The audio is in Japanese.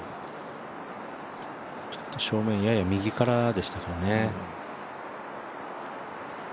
ちょっと正面やや右からでしたからね。